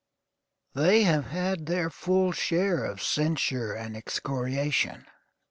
They have had their full share of censure and excoriation.